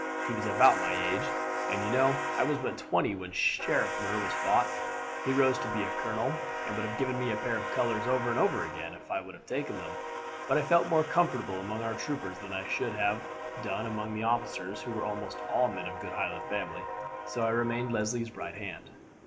He was about my age; and you know I was but twenty when Sheriffmuir was fought. He rose to be a colonel, and would have given me a pair of colours over and over again if I would have taken them; but I felt more comfortable among our troopers than I should have done among the officers, who were almost all men of good Highland family; so I remained Leslie's right hand.